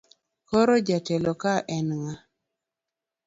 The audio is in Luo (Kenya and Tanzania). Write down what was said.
Koro jatelo ka en ng'a?